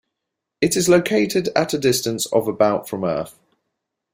It is located at a distance of about from Earth.